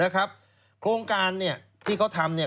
โครงการที่เขาทำ